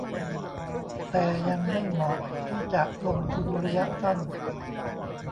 แต่ยังไม่เหมาะที่จะลงทุนระยะสั้น